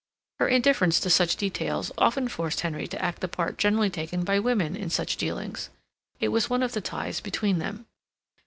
Her indifference to such details often forced Henry to act the part generally taken by women in such dealings. It was one of the ties between them.